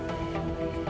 dan unit ppa polres gresik